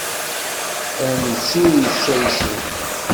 Ad netti ul yettaysen.